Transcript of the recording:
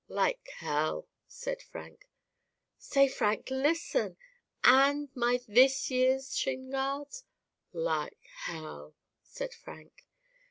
'Like hell,' said Frank. 'Say Frank listen, and my this year's shin guards?' 'Like hell,' said Frank.